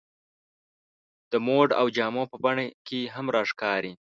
د موډ او جامو په بڼه کې هم راښکاري.